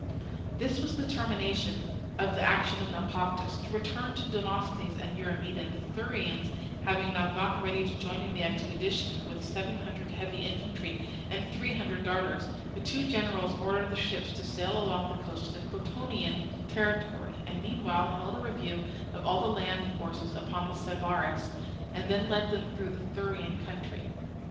This was the termination of the action at Naupactus. To return to Demosthenes and Eurymedon: the Thurians having now got ready to join in the expedition with seven hundred heavy infantry and three hundred darters, the two generals ordered the ships to sail along the coast to the Crotonian territory, and meanwhile held a review of all the land forces upon the river Sybaris, and then led them through the Thurian country.